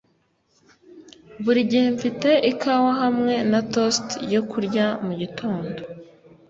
Buri gihe mfite ikawa hamwe na toast yo kurya mugitondo